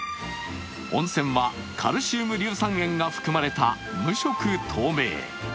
温泉はカルシウム硫酸塩が含まれた無色透明。